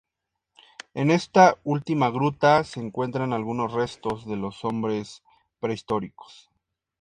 En esta última gruta se encuentran algunos restos de los hombres prehistóricos.